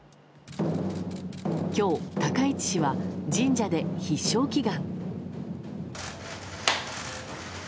今日、高市氏は神社で必勝祈願。